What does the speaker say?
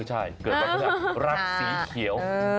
ใช่เกิดวันพฤหัสรักสีเขียว